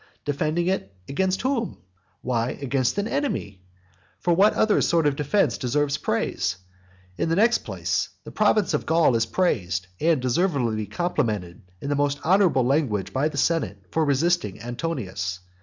Defending it against whom? Why, against an enemy. For what other sort of defence deserves praise? In the next place the province of Gaul is praised, and is deservedly complimented in most honourable language by the senate for resisting Antonius.